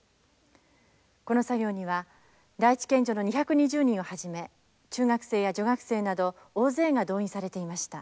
この作業には第一県女の２２０人をはじめ中学生や女学生など大勢が動員されていました。